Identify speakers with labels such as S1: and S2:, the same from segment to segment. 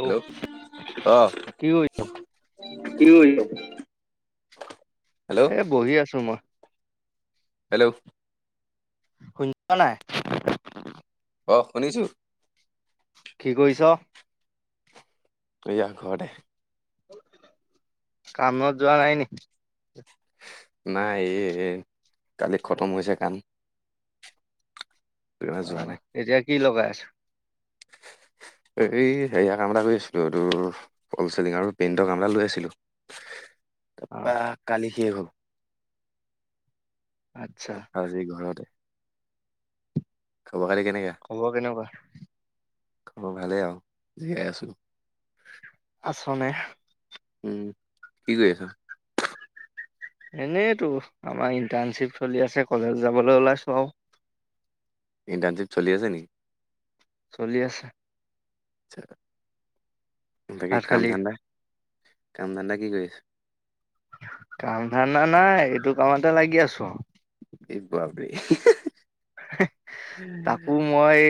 S1: Hello অহ।
S2: কি কৰি এ বহি আছো মই।
S1: হেল্ল'
S2: শুনিছা নাই?
S1: অহ শুনিছো।
S2: কি কৰিছ?
S1: এইয়া ঘৰতে।
S2: কামত যোৱা নাই নি?
S1: নাই এই কালি খতম হৈছে কাম। যোৱা
S2: অঁহ
S1: নাই
S2: এতিয়া কি লগাই আছ?
S1: এই হেৰিয়া কাম এটা কৰি আছিলো, এই তোৰ হলচেলিং আৰু প্ৰীণ্টৰ কাম এটা লৈ আছিলো।
S2: অ
S1: তাৰপৰা কালি শেষ হ'ল।
S2: আচ্ছা
S1: আজি ঘৰতে। খবৰ খাতি কেনেকা
S2: খবৰ কেনেকোৱা?
S1: খবৰ ভালেই আৰু জীয়াই আছো।
S2: আছ নে?
S1: উম কি কৰি আছ?
S2: এনেইতো। আমাৰ ইণ্টাৰ্ণশ্বিপ চলি আছে কলেজ যাবলৈ ওলাইছো আৰু।
S1: ইণ্টাৰ্ণশ্বিপ চলি আছে নি?
S2: চলি আছে।
S1: বাকী
S2: ভাত
S1: কাম
S2: খালি
S1: ধান্দা? কাম ধান্দা কি কৰি আছ?
S2: কাম ধানদা নাই এইটো কামতে লাগি আছ।
S1: এই বাপৰে হি হি।
S2: হে তাকো মই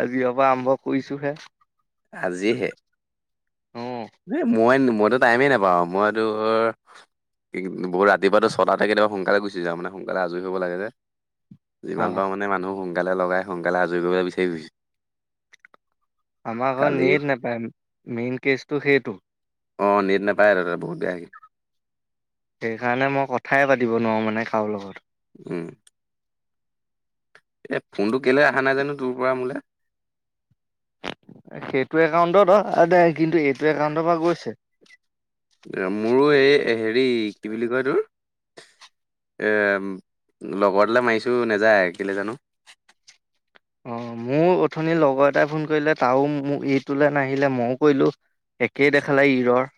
S2: আজিৰৰ পৰা আৰম্ভ কৰিছোহে।
S1: আজি হে।
S2: অ
S1: মইতো টাইমেই নাপাওঁ। মই তোৰ কি বহু ৰাতি পুৱাটো ছটাতে কেতিয়াবা সোনকালে গুচি যাওঁ, মানে সোনকালে আজৰি হ'ব লাগে যে।
S2: অ
S1: যিমান পাৰো মানে মানুহ সোনকালে লগাই, সোনকালে আজৰি কৰিব বিচাৰি ফুৰিছোঁ।
S2: আমাৰ ঘৰত নেট নাপায় মেইন কেচটো সেইটো।
S1: অ নেট নাপায় তাতে বহুত বেয়া।
S2: সেইকাৰণে মই কথাই পাতিব নোৱাৰো মানে কাৰো লগত।
S1: উম। এ ফোনটো কেলে অহা নাই জানো তোৰ পৰা মোলে।
S2: সেইটো একাউন্টত আদাই, কিন্তু এইটো একাউণ্টৰ পৰা গৈছে।
S1: মোৰো এই হেৰি কি বুলি কয় তোৰ এ লগৰ এটালে মাৰিছো নেযায় কেলে জানো?
S2: অ মোৰ অথনিৰ লগৰ এটাই ফোন কৰিলে টাও এইটোলৈ নাহিলে মও কৰিলো। একেই দেখালে ইৰৰ।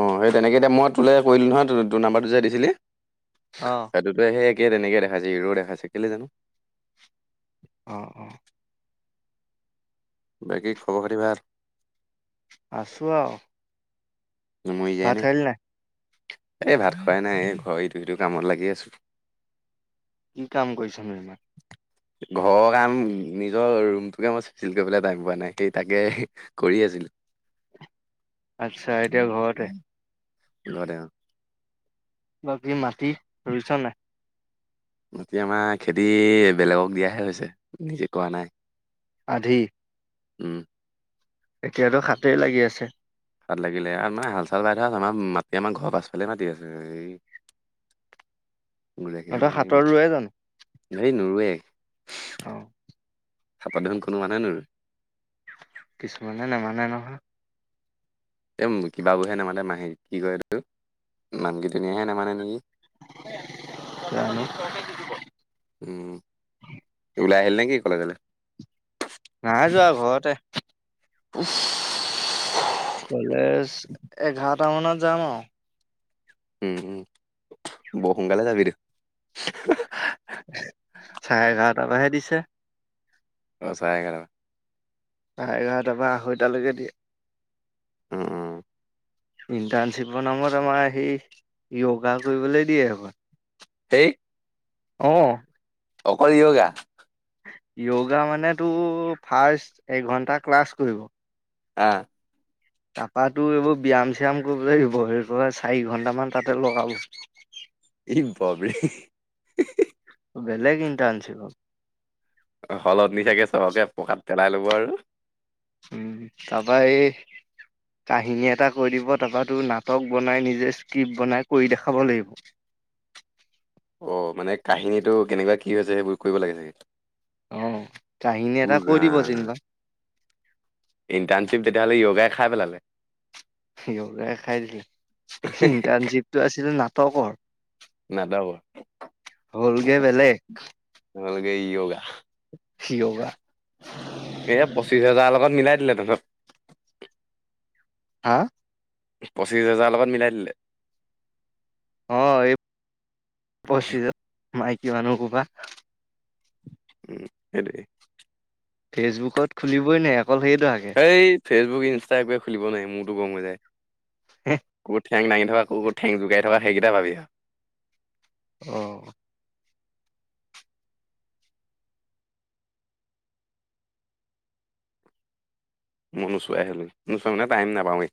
S1: অঁ সেই তেনেকে এতিয়া মই তোলে কৰিলোঁ নহয় ত তোৰ নাম্বাৰটো যে দিছিলি।
S2: অ
S1: সেইটোতে সেই কে তেনেকে দেখাইছে ইৰৰ'' দেখাইছে কেলে জানো?
S2: অহ অহ।
S1: বাকী খবৰ খাতি ভাল?
S2: আছোঁ আৰু। ভাত খালি নাই
S1: [unintelligible] এই ভাত খোৱাই নাই, এই ঘৰ ইটো সিটো কামত লাগি আছো।
S2: কি কাম কৰিছানো ইমান?
S1: ঘৰৰ কাম, নিজৰ ৰুমটোকে মই চিজিল কৰিবলই টাইম পোৱা নাই, সেই তাকে কৰি কি আছিল?
S2: আচ্ছা এতিয়া ঘৰতে?
S1: ঘৰতে অঁ।
S2: বাকী মাটি লৈছা নাই?
S1: এতিয়া আমাৰ খেতি বেলেগক দিয়াহে হৈছে, নিজে কৰা নাই।
S2: আধি
S1: উম
S2: এতিয়াতো সাটেই লাগি আছে।
S1: হাট লাগিলে আৰু মানে হাল চাল বাই থোৱা আছে, আমাৰ মাটি আমাৰ ঘৰৰ পাছফালে মাতি আছে, এই
S2: [inaudible]
S1: গুৰা খিনি
S2: তহঁতৰ হাতৰ ৰোৱে
S1: [inaudible] নেই নোৰোৱে।
S2: অহ
S1: চাপাত দেখোন কোনো মানুহ নোৰুই।
S2: কিছুমানে নেমানে নহয়।
S1: এই কিবাবোৰহে নামাতে মাহীক কি কয় এইটো মাক কেইজনিয়েহে নামানে নেকি?
S2: [unintelligible]
S1: এই কলেজলে।
S2: নাই যোৱা ঘৰতে।
S1: [unintelligible]
S2: কলেজ এঘাৰটা মানত যাম আৰু।
S1: উম -উম বৰ সোনকালে ঝাপি দেখ
S2: চাৰে এঘাৰটা পা হে দিছে।
S1: অহ, চাৰে এঘাৰটাপা।
S2: চৰে এঘাৰতাৰ পা আঢ়ৈটা লৈকে দিয়ে।
S1: উম - উম
S2: ইণ্টাৰ্ণশ্বিপৰ নামত আমাৰ সেই য়গা কৰিবলৈ দিয়ে আক
S1: সেই
S2: অহ।
S1: অকল য়গা?
S2: য়গা মানে তোৰ ফাৰ্ষ্ট এঘন্টা ক্লাছ কৰিব
S1: আহ
S2: তাৰপা তোৰ এইবোৰ ব্যায়াম -চ্যায়াম কৰিবলৈ দিব চাৰি ঘন্টামান তাতে লগাব।
S1: ইহ বা বে [unintelligible]
S2: বেলেগ ইণ্টাৰ্ণশ্বিপ আৰু
S1: হলত নি চাগে চবকে পকাত পেলাই লব আৰু
S2: উম, তাপা এই কাহিনী এটা কৈ দিব তাৰপৰা তোৰ নাটক বনাই নিজে স্ক্ৰিপ্ট বনাই কৰি দেখাব লাগিব। [inaudible]
S1: অহ, মানে কাহিনীটো কেনেকুৱা কি হৈছে সেইবোৰ কৰিব লাগে চাগে
S2: অহ, কাহিনী
S1: উ
S2: এটা কৈ দিব
S1: ৰাম
S2: যেনিবা।
S1: ইণ্টাৰ্ণশ্বিপ তেতিয়াহ'লে য়গাই খাই পেলালে।
S2: য়গাই খাই দিলে ইণ্টাৰ্ণশ্বিপটো আছিল নাটকৰ।
S1: নাটক আৰু।
S2: হ'লগে বেলেগ।
S1: এই য়গা
S2: য়গা
S1: এয়া পঁচিশ হেজাৰৰ লগত মিলাই দিলে তহঁতক।
S2: হা
S1: পঁচিছ হেজাৰ লগত মিলাই দিলে।
S2: অহ, এই পচিছ [unintelligible] মাইকী মানুহ সোপা।
S1: উম, সেইটোৱেই
S2: ফেচবুকত খুলিবই নাই অকল সেইটো আকে।
S1: এই ফেচবুক, ইনষ্টা এইবোৰ খুলিবই নোৱাৰি মোৰতো গৰম হৈ যায়।
S2: হে
S1: ক'ত ঠেং ডাঙি থকা কুকুৰ' ঠেং জোকাই থকা সেইকেইটা ভাবি আৰু
S2: অহ
S1: মই নোচোৱাই হলোঁ। নোচোৱা মানে টাইম নাপাওঁৱে।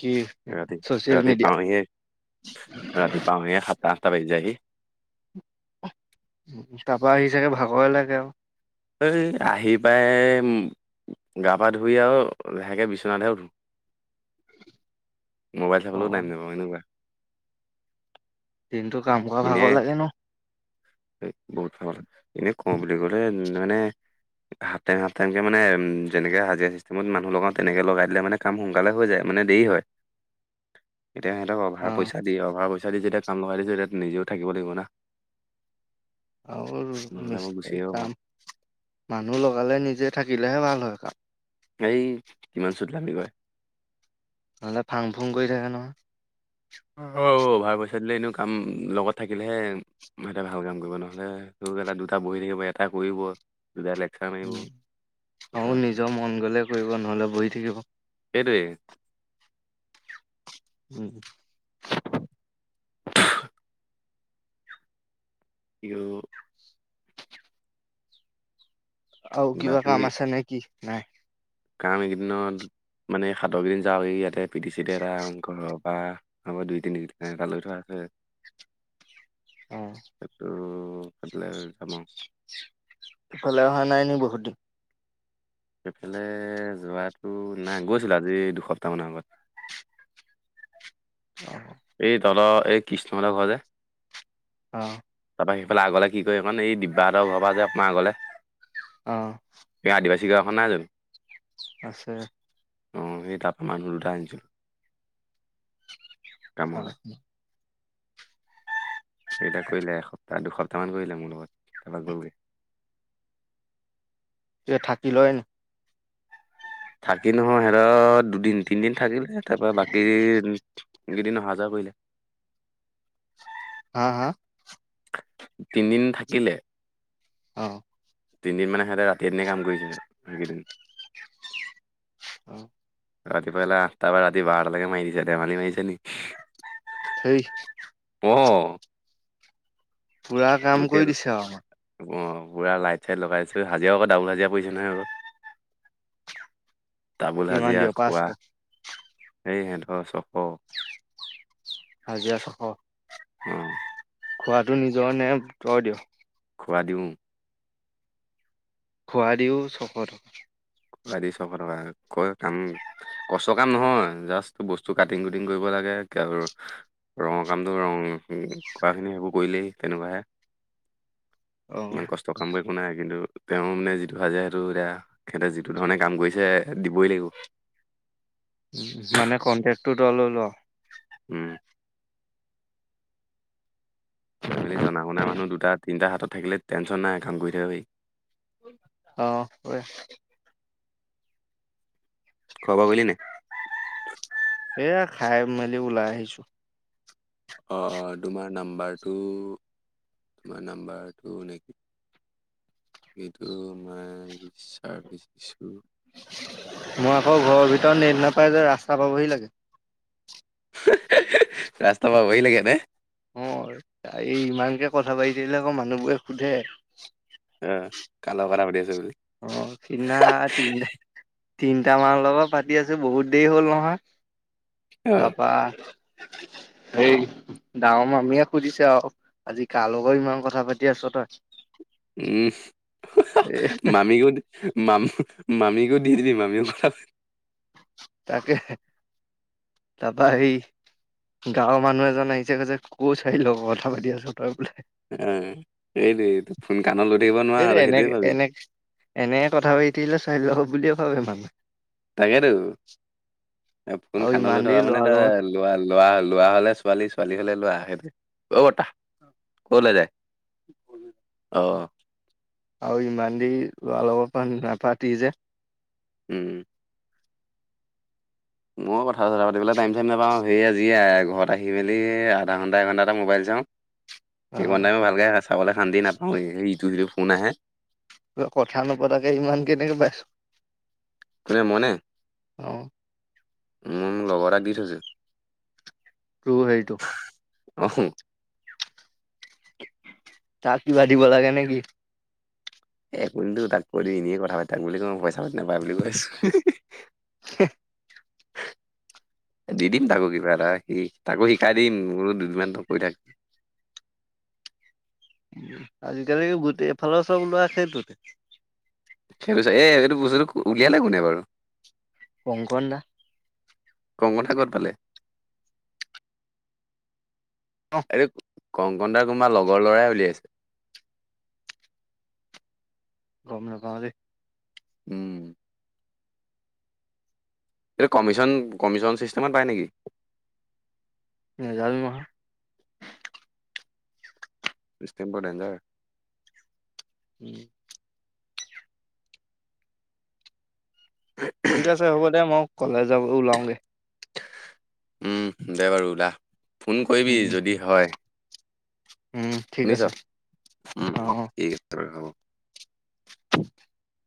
S2: কি
S1: ৰাতি-
S2: ছচিয়েল
S1: ৰাতি
S2: মিডিয়া
S1: পাওঁহি হে। ৰাতি পাওঁহে সাত আঠতা বাজি যায় গে।
S2: তাৰপৰা আহি চাগে ভাগৰে লাগে আৰু।
S1: এই আহি পাই গা-পা ধুই আৰু লাহেকে বিচনাতহে উঠো।
S2: [unintelligible]
S1: মোবাইল চাবলৈও
S2: আৰু
S1: টাইম নাপাওঁ, এনেকুৱা।
S2: দিনটো কাম কৰা
S1: এনে
S2: ভাগৰ লাগে ন'।
S1: [unintelligible] এনে কওঁ বুলি ক'লে মানে হাফ টাইম - হাফ টাইমকে মানে যেনেকে হাজিৰা ছিষ্টেমত মানুহ লগাওঁ, তেনেকে লগাই দিলে মানে কাম সোনকালে হৈ যায় মানে দেৰি হয়।
S2: [unintelligible]
S1: এতিয়া সিহঁতক
S2: অ
S1: অভাৰ পইচা দি- অভাৰ পইচা দি যেতিয়া কাম লগাই দিছে, তাত নিজেও থাকিব লাগিব না।
S2: আৰু [unintelligible]
S1: নহ'লে মই গুচি আহিব পাৰোঁ
S2: কাম। মানুহ লগালে, নিজে থাকিলেহে ভাল হয় কাম।
S1: এই কিমান চুটলামী কয়।
S2: নহলে ফাং-ফুং কৰি থাকে নহয়।
S1: অভাৰ পইচা দিলে এনেও কাম লগত থাকিলেহে, সিহঁতে ভাল কাম কৰিব, নহলে দুটা বহি থাকিব, এটাই কৰিব। দুটা লেকচাৰ মাৰিব
S2: উম।
S1: সেইটো
S2: অ'
S1: আছে না।
S2: নিজৰ মন গ'লে কৰিব, নহ'লে বহি থাকিব।
S1: সেইটোৱে।
S2: উম।
S1: ইউ
S2: আৰু কিবা
S1: বাকী
S2: কাম আছে নে কি? নাই?
S1: কাম এইকেইদিনত মানে সাতৰকেইদিন যাওঁ। এই ইয়াতে পিটি-চিটে এটা ঘৰৰ পৰা হ'ব দুই-তিনি এটা লৈ থোৱা আ ছে।
S2: [unintelligible]
S1: সেইটো কাটিলে জানোঁ।
S2: কলে অহা নাই নি বহুত দিন?
S1: এইফালে যোৱাটো নাই- গৈছিলোঁ, আজি দুসপ্তাহ মানৰ আগত।
S2: [unintelligible] অ'।
S1: এই তলৰ এই কৃষ্ণমলা ঘৰ যে
S2: অ'।
S1: তাৰপৰা সেইফালে আগলে কি কয় এইকণ, এই দিব্যাহঁতৰ ঘৰৰপৰা যে অকনমান আগলে
S2: অ'।
S1: থিকা এখন নাই জানো?
S2: আছে।
S1: অ' সেই তাত মানুহ দুটা আনিছিলোঁ। কামলে
S2: অ'।
S1: সেইকেইটা কৰিলে এসপ্তাহ- দুসপ্তাহমান কৰিলে মোৰ লগত। তাৰপৰা গ'লগে।
S2: যে থাকি লয়?
S1: ৰাখিলোঁ মই সিহঁতত দুদিন- তিনিদিন থাকিলে তাৰ পৰা বাকী এই কেইদিন অহা-যোৱা কৰিলে।
S2: হা-হা?
S1: তিনিদিন থাকিলে।
S2: অ'।
S1: তিনিদিনমানে সিহঁতে ৰাতি এনে কাম কৰিছিলে সেইকেইদিন।
S2: অ'।
S1: ৰাতিপুৱা লা আঠ তাৰ পৰা ৰাতি বাৰলৈকে মাৰি দিছে ধেমালি মাৰিছে নি
S2: ঠেই
S1: অঁ!
S2: পুৰা কাম কৰি দিছে আৰু আমাক
S1: অ পুৰা লাইট-চাইট লগাইছো হাজিৰা আকৌ ডাবোল হাজিৰা পৰিছে নহয় আকৌ তামোল
S2: কিমান
S1: হাজিৰা
S2: দিয়
S1: খোৱা
S2: পাঁচশ
S1: সেই হেতৰ চব
S2: হাজিৰা ছয়শ
S1: অ
S2: খোৱাটো নিজৰ নে তই দিয়।
S1: খোৱা দিওঁ
S2: খোৱা দিও ছশ টকা
S1: বাকী ছয়শ টকা কৰে কাম কষ্ট কাম নহয় জাষ্ট বস্তু কাটিং কুটিং কৰিব লাগে। ৰঙৰ কামটো ৰং কৰা খিনি সেইবোৰ কৰিলেই তেনেকুৱাহে
S2: [unintelligible] অ
S1: ইমান কষ্ট কাম কৰিব নাই কিন্তু তেওঁ মানে যিটো সাজে সেইটো এতিয়া তেখেতে যিটো ধৰণে কাম কৰিছে দিবই লাগিব
S2: উ মানে কন্টেকটো তই লৈ লওঁ আৰু
S1: উম মেলি জনা শুনা মানুহ দুটা তিনিটা হাতত থাকিলে টেনশ্যন নাই কাম কৰি থাকিব পাৰি
S2: অ কৰে
S1: খোৱা বোৱা কৰিলি নাই?
S2: এয়া খাই মেলি ওলাই আহিছোঁ।
S1: অ অ তোমাৰ নাম্বাৰটো তোমাৰ নাম্বাৰটো নেকি সেইটো মই বিশ্বাৰ বুজিছোঁ
S2: মই আকৌ ঘৰৰ ভিতৰত নেট নাপায় যে ৰাস্তা পাবহি লাগে
S1: ৰাস্তা পাবহি লাগে নে
S2: অ এই ইমানকে কথা পাতি থাকিলে আকৌ মানুহবোৰে সোধে।
S1: অ কাৰ লগত কথা পাতি আছে বুলি।
S2: অ তিনিটামানৰ লগত পাতি আছো বহুত দেৰি হ'ল নহয়
S1: অ
S2: তাৰপা এই ডাঙৰ মামিয়ে সুধিছে আৰু আজি কা লগত ইমান কথা পাতি আছ তই এ
S1: উম বিহুত মাম মামিকো দি দিছোঁ মামিও ক
S2: তাকে
S1: পাতি
S2: তাপা এই গাঁৱৰ মানুহ এজন আহিছে কৈছে কোন' ছোৱালি লগত কথা পাতি আছ তই বোলে।
S1: আহ এই এইটোৱে ফোন কাণত লৈ থাকিব নোৱাৰা
S2: সেইটো
S1: আৰু সেইটোৱে
S2: এনেকে
S1: পাবি।
S2: এনে কথা বোৰ ইতিলৈ চাইল বুলিয়ে ভাবে মানুহে।
S1: তাকেতো।
S2: [unintelligible]
S1: ফোন
S2: আৰু ইমান
S1: কাণলৈ থকা
S2: দেৰি
S1: মানে
S2: ল'ৰাৰ লগত
S1: তাৰ লোৱা লোৱা লোৱা হলে ছোৱালী ছোৱালী হলে লোৱা সেইটোৱে। অ বতাহ ক'লে যায় অহ।
S2: আৰু ইমান দেৰি অলপমান নাপাতি যে।
S1: উম মই কথা চথা পাতিবলৈ টাইম চাইম নাপাওঁ। সেই আজিয়ে ঘৰত আহি মেলি আধা ঘণ্টাট এঘণ্টা মবাইল। চাওঁ ইমান টাইম
S2: অ
S1: ভালকে চাবলৈ শান্তি নাপাওঁ ইটো সিটো ফোন আহে।
S2: কিবা কথা নপতাকে ইমান কেনেকে পাইছ?
S1: কোনেনে মই নে,
S2: অ
S1: উম লগৰ এটাক দি থৈছো।
S2: টু সেইটো।
S1: অহোঁ
S2: তাক কিবা দিব লাগে নেকি?
S1: এ কৈনিদিবি তাক কৈ দি এনেয়ে কথা পাতি থাক বুলি কওঁ পইচা পাতি নাপা বুলি কৈছো।
S2: হে।
S1: দি দিম তাকো কিবা এটা সি তাকো শিকাই দিম মোৰো দুদিনমান কৰি থাক।
S2: [unintelligible] উম আজি কালি গোটেই এফালৰ চব লোৱা সেইটোতে।
S1: সেই টো চা এ এইটো বস্তুটো উলিয়ালে কোনে বাৰু?
S2: কংকন দা
S1: কংগন দা ক'ত পালে।
S2: অ
S1: আৰু কংকদাৰ কোনোবা লগৰ লৰাই উলিয়াইছে।
S2: গম নাপাওঁ দেই।
S1: উম। এইটো কমিশন কমিশন চিষ্টেমত পায় নেকি?
S2: নাজানোঁ নহয়।
S1: বিষ্টিম বৰ ডেঞ্জাৰ।
S2: [unintelligible] ঠিক আছে হ'ব দে মই কলেজ যাব ওলাওঁগে।
S1: উম দে বাৰু ওলা ফোন কৰিবি
S2: উম
S1: যদি হয়।
S2: উম ঠিক
S1: শুনিছ,
S2: আছে
S1: উম
S2: অ অ
S1: ঠিক আছে বাৰু হব।
S2: [unintelligible]